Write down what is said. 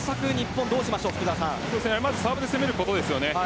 サーブで攻めることですよね。